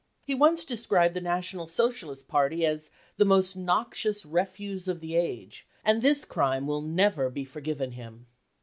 He once described the National Socialist Party as " the most noxious refuse of the age," and this crime will never be forgiven him.